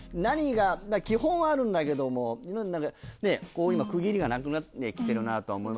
基本はあるんだけども今区切りがなくなって来てるなとは思いますけど。